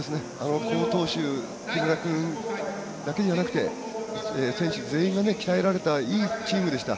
好投手木村君だけじゃなくて選手全員が鍛えられたいいチームでした。